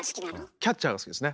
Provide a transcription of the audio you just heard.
キャッチャーが好きですね。